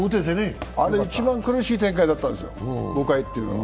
あれ、一番苦しい展開だったんですよ、５回というのは。